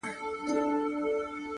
هغې ليونۍ بيا د غاړي هار مات کړی دی’